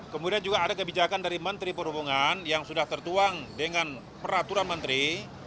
kemudian juga ada kebijakan dari menteri perhubungan yang sudah tertuang dengan peraturan menteri